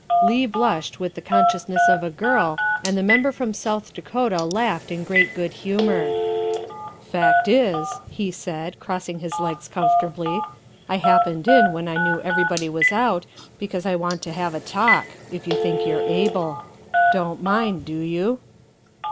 Leigh blushed with the consciousness of a girl, and the Member from South Dakota laughed in great good humor. " Fact is," he said, crossing his legs comfortably, '' I happened in when I knew everybody was out because I want to have a talk, if you think you're able. Don't mind, do you?"